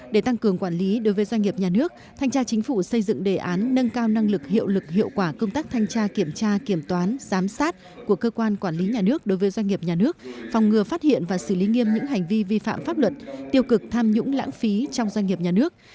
để tăng cường quản lý đối với doanh nghiệp nhà nước thanh tra chính phủ xây dựng đề án nâng cao năng lực hiệu lực hiệu quả công tác thanh tra kiểm tra kiểm toán giám sát của cơ quan quản lý nhà nước đối với doanh nghiệp nhà nước phòng ngừa phát hiện và xử lý nghiêm những hành vi vi phạm pháp luật tiêu cực tham nhũng lãng phí trong doanh nghiệp nhà nước